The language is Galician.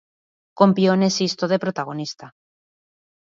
Con Pione Sisto de protagonista.